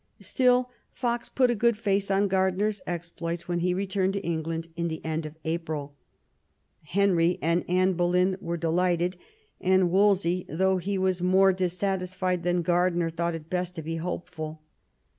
Still, Foxe put a good face on Gardiner's exploits when he returned to England in the end of April. Henry and Anne Boleyn were delighted, and Wolsey, though he was more dissatisfied than Gardiner, thought it best to be hopeful.